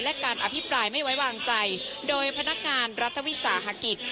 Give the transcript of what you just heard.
และการอภิปรายไม่ไว้วางใจโดยพนักงานรัฐวิสาหกิจ